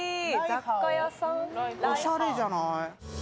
おしゃれじゃない？